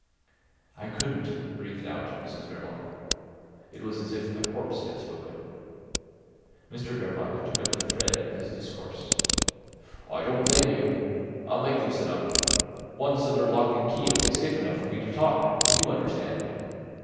"I couldn't," breathed out Mrs Verloc. It was as if a corpse had spoken. Mr Verloc took up the thread of his discourse. "I don't blame you. I'll make them sit up. Once under lock and key it will be safe enough for me to talk—you understand.